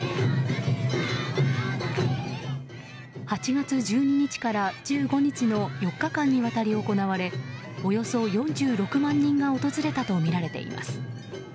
８月１２日から１５日の４日間にわたり行われおよそ４６万人が訪れたとみられています。